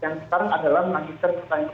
yang kedua apakah pertanyaan juga tidak diaktifkan